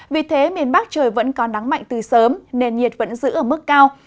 vì thế miền bắc trời vẫn có nắng mạnh từ sớm nền nhiệt vẫn giữ ở mức cao